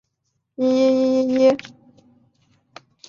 安徽合肥人。